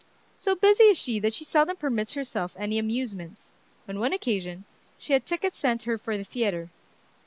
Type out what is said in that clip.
So busy is she that she seldom permits herself any amusements. On one occasion she had tickets sent her for the theatre.